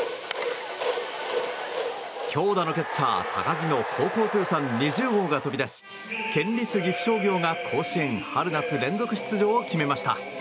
強打のキャッチャー、高木の高校通算２０号が飛び出し県立岐阜商業が甲子園春夏連続出場を決めました。